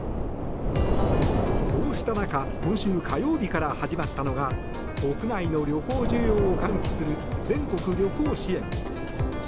こうした中今週火曜日から始まったのが国内の旅行需要を喚起する全国旅行支援。